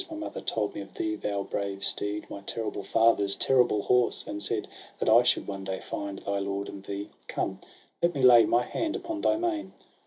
My mother told me of thee, thou brave steed. My terrible father's terrible horse! and said, I 2 ii6 SOHRAB AND RUSTUM. That I should one day find thy lord and thee. Come, let me lay my hand upon thy mane